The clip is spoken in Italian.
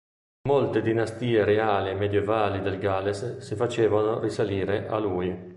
Molte dinastie reali medievali del Galles si facevano risalire a lui.